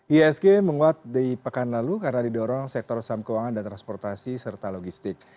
iasg menguat di pekan lalu karena didorong sektor saham keuangan dan transportasi serta logistik